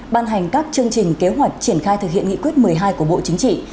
ban hành các chương trình kế hoạch triển khai thực hiện nghị quyết một mươi hai của bộ chính trị